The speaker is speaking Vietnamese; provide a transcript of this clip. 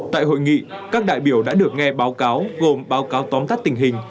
tại hội nghị các đại biểu đã được nghe báo cáo gồm báo cáo tóm tắt tình hình